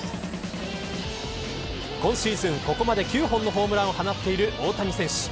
今シーズン、ここまで９本のホームランを放っている大谷選手。